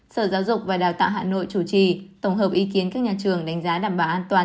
sở giáo dục và đào tạo hà nội chủ trì tổng hợp ý kiến các nhà trường đánh giá đảm bảo an toàn